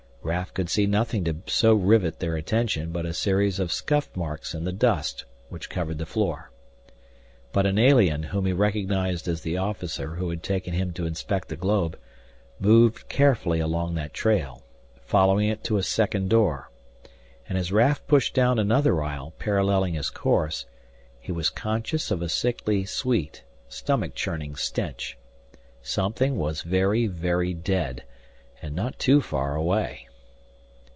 Raf could see nothing to so rivet their attention but a series of scuffed marks in the dust which covered the floor. But an alien, whom he recognized as the officer who had taken him to inspect the globe, moved carefully along that trail, following it to a second door. And as Raf pushed down another aisle, paralleling his course, he was conscious of a sickly sweet, stomach churning stench. Something was very, very dead and not too far away.